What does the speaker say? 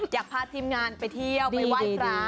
อยากพาทีมงานไปเที่ยวไปไหว้พระ